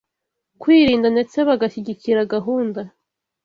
kwirinda ndetse bagashyigikira gahunda